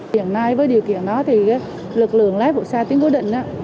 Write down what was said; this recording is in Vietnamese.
hiện nay với điều kiện đó thì lực lượng lái vụ xa tính quy định